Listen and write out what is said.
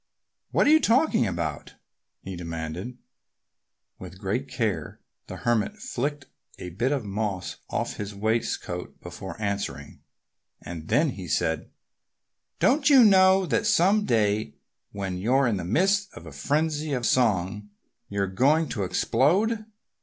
"What are you talking about?" he demanded. With great care the Hermit flicked a bit of moss off his waistcoat before answering. And then he said, "Don't you know that some day when you're in the midst of a frenzy of song you're going to explode?